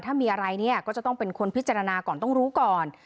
ถ้ามีอะไรเนี่ยก็จะต้องเป็นคนพิจารณาก่อนต้องรู้ก่อน